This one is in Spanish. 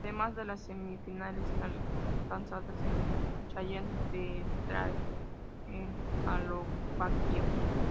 Además de las semifinales alcanzadas en el Challenger de Trnava, en Eslovaquia.